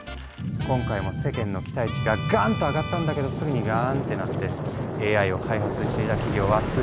今回も世間の期待値がガンッと上がったんだけどすぐにガーンッてなってＡＩを開発していた企業は次々と倒産。